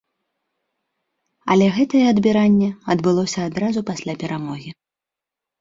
Але гэтае адбіранне адбылося адразу пасля перамогі.